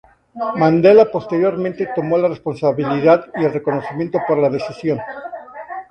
Mandela posteriormente tomó la responsabilidad y el reconocimiento por la decisión.